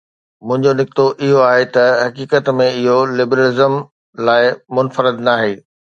منهنجو نقطو اهو آهي ته، حقيقت ۾، اهو لبرلزم لاء منفرد ناهي.